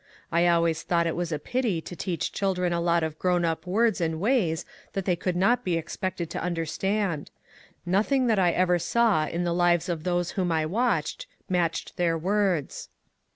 I always thought it was a pity to teach children a lot of grown up words and ways that they could not be expected to understand. Nothing that I ever saw in the lives of those whom I watched matched their words."